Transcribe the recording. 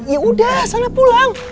ya udah sana pulang